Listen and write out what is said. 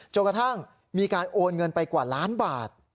จนกระทั่งมีการโอนเงินไปกว่าล้านบาท